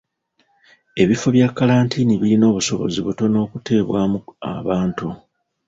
Ebifo bya kkalantiini birina obusobozi butono okuteebwamu abantu.